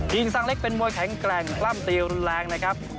กิ่งสังเล็กเป็นมวยแข็งแกล่งคล่ำตีวรุนแรงนะครับ